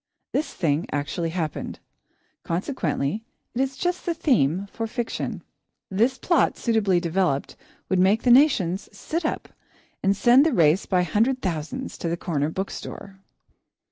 This thing actually happened; consequently it is just the theme for fiction. This plot, suitably developed, would make the nations sit up, and send the race by hundred thousands to the corner bookstore.